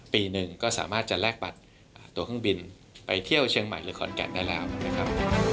ปีหนึ่งก็สามารถจะแลกบัตรตัวเครื่องบินไปเที่ยวเชียงใหม่หรือขอนแก่นได้แล้วนะครับ